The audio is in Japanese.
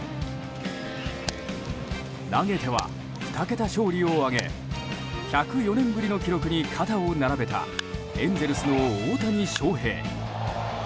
投げては２桁勝利を挙げ１０４年ぶりの記録に肩を並べたエンゼルスの大谷翔平。